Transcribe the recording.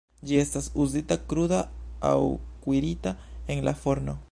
Ĝi estas uzita kruda aŭ kuirita en la forno.